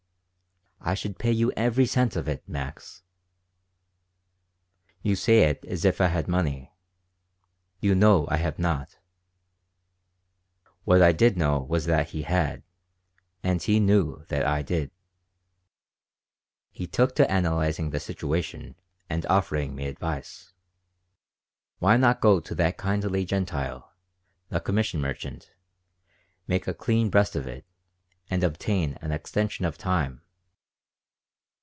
"I should pay you every cent of it, Max." "You say it as if I had money. You know I have not." What I did know was that he had, and he knew that I did He took to analyzing the situation and offering me advice. Why not go to that kindly Gentile, the commission merchant, make a clean breast of it, and obtain an extension of time?